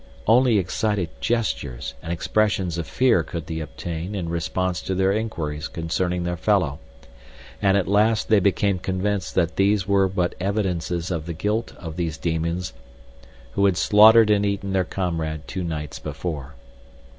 Only excited gestures and expressions of fear could they obtain in response to their inquiries concerning their fellow; and at last they became convinced that these were but evidences of the guilt of these demons who had slaughtered and eaten their comrade two nights before.